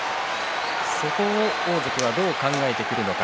そこを大関がどう考えてくるのか。